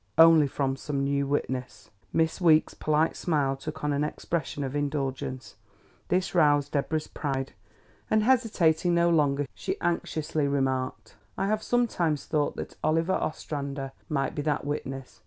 Only from some new witness." Miss Weeks' polite smile took on an expression of indulgence. This roused Deborah's pride, and, hesitating no longer, she anxiously remarked: "I have sometimes thought that Oliver Ostrander might be that witness.